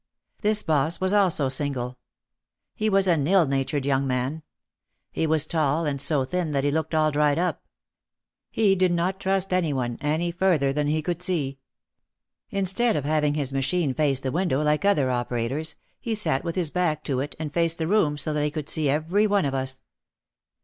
This boss was also single. He was an ill natured young man. He was tall and so thin that he looked all dried up. He did not trust any one, any further than he could see. Instead of having his machine face the win dow, like other operators, he sat with his back to it and faced the room so that he could see every one of us.